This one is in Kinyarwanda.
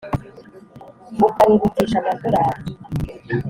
Ukarurutisha amadorari